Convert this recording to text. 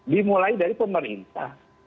dimulai dari pemerintah